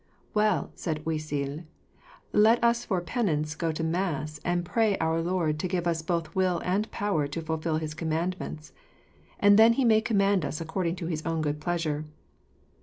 "Well," said Oisille, "let us for penance go to mass and pray Our Lord to give us both will and power to fulfil His commandments; and then may He command us according to His own good pleasure."